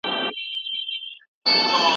دا اوښکې له احساساتو سره تړاو لري.